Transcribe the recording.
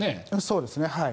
そうですね。